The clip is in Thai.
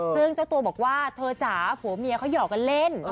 ซึ่งเจ้าตัวบอกว่าเธอจ๋าผัวเมียเขาหยอกกันเล่น